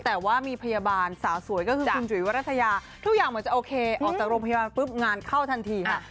แต่ว่ามีพยาบาลสาวสวยก็คือคุณจุ๋ยวรัฐยาทุกอย่างเหมือนจะโอเคออกจากโรงพยาบาลปุ๊บงานเข้าทันทีค่ะ